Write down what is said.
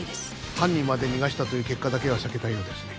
犯人まで逃がしたという結果だけは避けたいようですね。